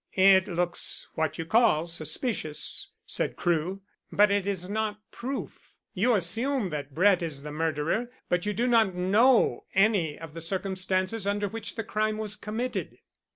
"It looks what you call suspicious," said Crewe, "but it is not proof. You assume that Brett is the murderer, but you do not know any of the circumstances under which the crime was committed."